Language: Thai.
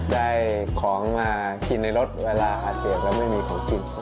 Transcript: ได้ของมากินในรถเวลาอักเสบแล้วไม่มีของกิน